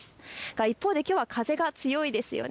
一方できょう風が強いですよね。